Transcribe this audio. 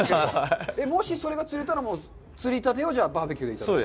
もしそれが釣れたら釣りたてをバーベキューでいただける？